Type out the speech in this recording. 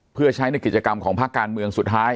เพื่อใช้ในกิจกรรมของภาคการเมืองสุดท้าย